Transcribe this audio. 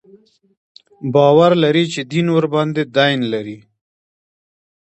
باور لري چې دین ورباندې دین لري.